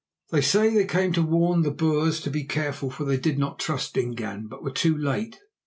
They say they came to warn the Boers to be careful, for they did not trust Dingaan, but were too late.